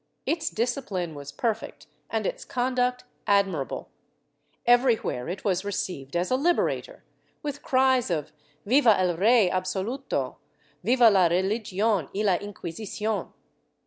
Its discipline was perfect and its conduct admirable. Every where it was received as a liberator, with cries of ''Viva el Rey absoluto, Viva la Religion y la Inquisicion."